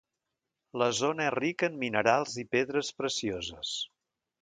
La zona és rica en minerals i pedres precioses.